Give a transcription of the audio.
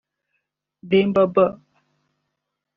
Demba Ba